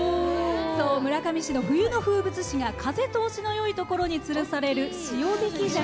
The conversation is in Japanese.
村上市の冬の風物詩が風通しのよいところにつるされる塩引き鮭。